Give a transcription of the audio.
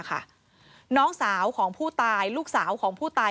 การโดยน้องสาวของผู้ตายลูกสาวผู้ตาย